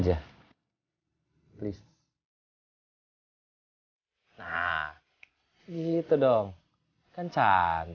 ya kamu sekalian alleine kerjasama